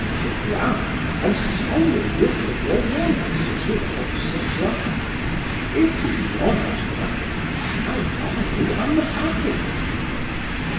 Look round and tell me which of your wants is without supply: if you want nothing, how are you unhappy?"